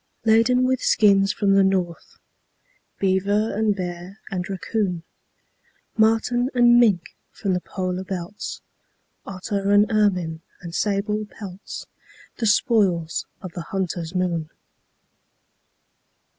Laden with skins from the north, Beaver and bear and raccoon, Marten and mink from the polar belts, Otter and ermine and sable pelts The spoils of the hunter's moon.